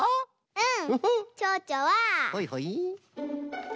うん。